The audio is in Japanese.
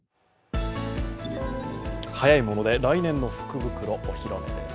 早いもので来年の福袋、お披露目です。